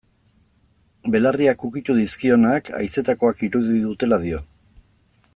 Belarriak ukitu dizkionak, haizetakoak irudi dutela dio.